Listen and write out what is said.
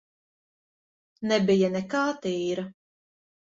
Nebija nekā tīra.